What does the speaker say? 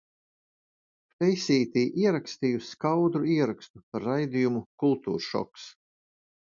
Feisītī ierakstīju skaudru ierakstu par raidījumu Kultūršoks.